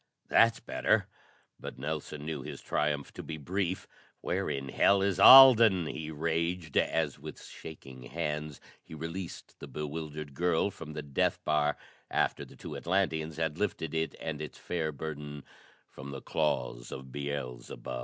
"That's better." But Nelson knew his triumph to be brief. "Where in hell is Alden?" he raged as with shaking hands be released the bewildered girl from the death bar after the two Atlanteans had lifted it and its fair burden from the claws of Beelzebub.